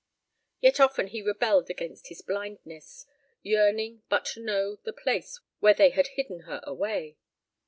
Yet often he rebelled against his blindness, yearning but to know the place where they had hidden her away.